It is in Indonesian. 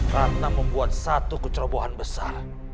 karena membuat satu kecerobohan besar